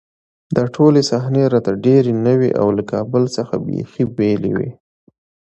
دا ټولې صحنې راته ډېرې نوې او له کابل څخه بېخي بېلې وې